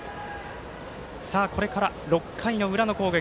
これから６回の裏の攻撃